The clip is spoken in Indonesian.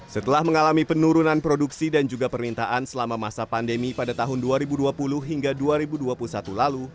setelah mengalami penurunan produksi dan juga permintaan selama masa pandemi pada tahun dua ribu dua puluh hingga dua ribu dua puluh satu lalu